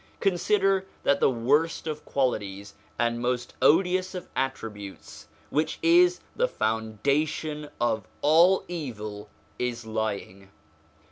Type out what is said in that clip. Consider that the worst of qualities and most odious of attributes, which is the foundation of all evil, is lying.